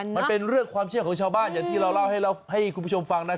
มันเป็นเรื่องความเชื่อของชาวบ้านอย่างที่เราเล่าให้คุณผู้ชมฟัง